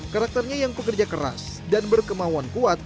karakternya yang bekerja keras dan berkemauan kuat